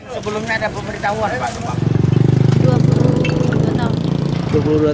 sebelumnya ada pemerintah pak